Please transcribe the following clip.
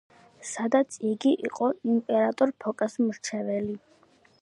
სადაც იგი იყო იმპერატორ ფოკას მრჩეველი.